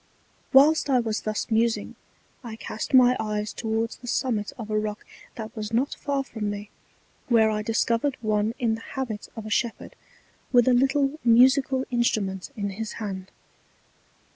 Whilst I was thus musing, I cast my eyes towards the Summit of a Rock that was not far from me, where I discovered one in the Habit of a Shepherd, with a little Musical Instrument in his Hand.